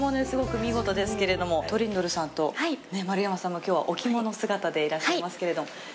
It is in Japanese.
すごく見事ですけれどもトリンドルさんと丸山さんも今日はお着物姿でいらっしゃいますけれども。